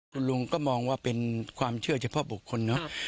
คุณลุงก็มองว่าเป็นความเชื่อเฉพาะบุคคลเนอะ